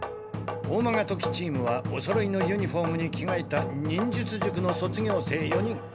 オーマガトキチームはおそろいのユニフォームに着がえた忍術塾の卒業生４人。